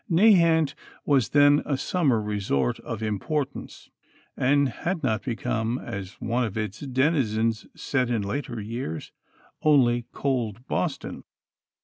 Nahant was then a summer resort of importance, and had not become, as one of its denizens said in later years, only "cold Boston."